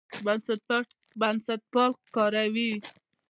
بنسټپال کاروي.